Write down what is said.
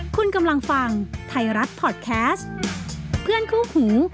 คุณกำลังฟังไทยรัฐพอร์ตแคสต์เพื่อนคู่หู